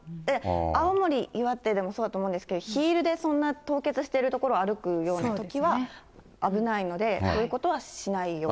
青森、岩手でもそうだと思うんですけど、ヒールでそんな凍結している所を歩くようなときは危ないので、そういうことはしないように。